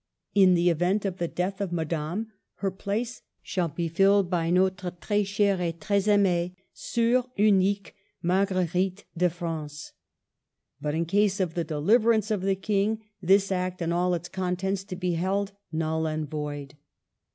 In the event of the death of Madame, her place shall be filled by '^ nostre tres chere et tres amee seur unicque Marguerite de France;*' but in case of the deliverance of the King this act and all its contents to be held null and void.